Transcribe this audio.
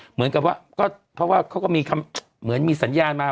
เหมือนกับว่าก็เพราะว่าเขาก็มีคำเหมือนมีสัญญาณมา